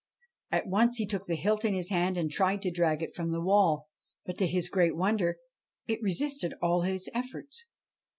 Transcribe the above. At once he took the hilt in his hand and tried to drag it from the wall, but, to his great wonder, it resisted all his efforts.